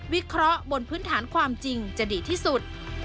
วิเคราะห์บนพื้นฐานความจริงจะดีที่สุด